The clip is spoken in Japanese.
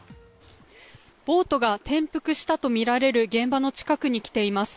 ボートが転覆したとみられる現場の近くに来ています。